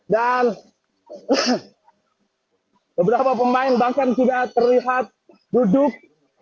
dan beberapa pemain bahkan sudah terlihat duduk